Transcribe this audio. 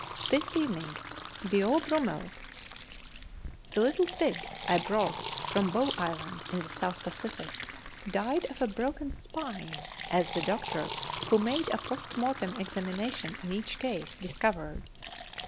This evening 'Beau Brummel,' the little pig I brought from Bow Island, in the South Pacific, died of a broken spine, as the doctor, who made a post mortem examination in each case, discovered.